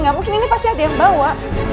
nggak mungkin ini pasti ada yang bawa